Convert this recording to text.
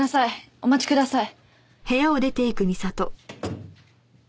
お待ちください。